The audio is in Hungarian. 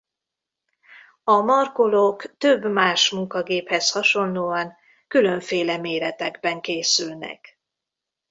A markolók több más munkagéphez hasonlóan különféle méretekben készülnek.